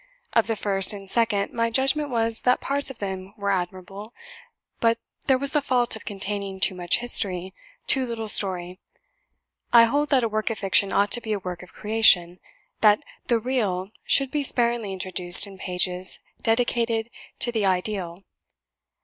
Of the first and second my judgment was, that parts of them were admirable; but there was the fault of containing too much History too little story. I hold that a work of fiction ought to be a work of creation: that the REAL should be sparingly introduced in pages dedicated to the IDEAL.